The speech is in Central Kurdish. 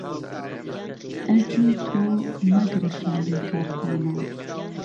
ئەرجو تۆ مهگره شاهی کارخانه